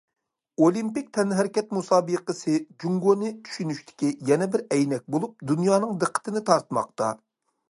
ئولىمپىك تەنھەرىكەت مۇسابىقىسى جۇڭگونى چۈشىنىشتىكى يەنە بىر ئەينەك بولۇپ، دۇنيانىڭ دىققىتىنى تارتماقتا.